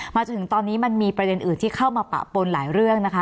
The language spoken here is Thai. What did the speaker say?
จนถึงตอนนี้มันมีประเด็นอื่นที่เข้ามาปะปนหลายเรื่องนะคะ